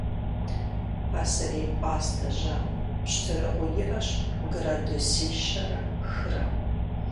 Пасэрей пӏастэ жьам пщтырагъыу иӏэщ градуси щэрэ хырэ.